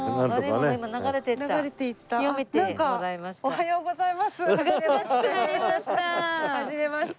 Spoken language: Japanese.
おはようございます。